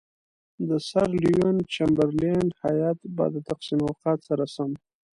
د سر لیوین چمبرلین هیات به د تقسیم اوقات سره سم.